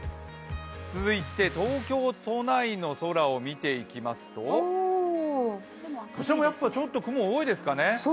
続いて東京都内の空を見ていきますと、こちらもちょっと雲が多いですかね。